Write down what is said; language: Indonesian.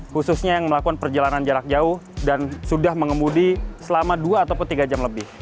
khususnya yang melakukan perjalanan jarak jauh dan sudah mengemudi selama dua atau tiga jam lebih